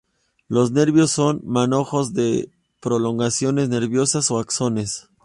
Los nervios son manojos de prolongaciones nerviosas o axones.